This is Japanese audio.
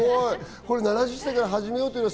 ７０歳から始めようということ。